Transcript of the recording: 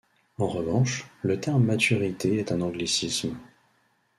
En revanche, le terme maturité est un anglicisme.